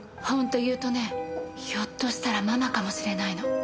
本当言うとねひょっとしたらママかもしれないの。